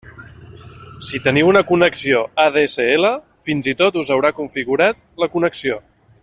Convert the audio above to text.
Si teniu una connexió ADSL, fins i tot us haurà configurat la connexió.